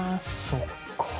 そっか。